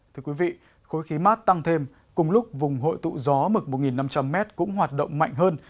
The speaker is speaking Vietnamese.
thưa quý vị khối khí mát tăng thêm cùng lúc vùng hội tụ gió mực một năm trăm linh m cũng hoạt động mạnh hơn